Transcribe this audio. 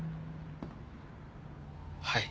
はい。